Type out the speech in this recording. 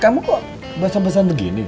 kamu kok basah basahan begini